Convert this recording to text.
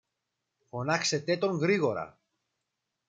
Φωνάξετε τον γρήγορα.